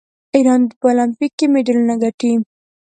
ایران په المپیک کې مډالونه ګټي.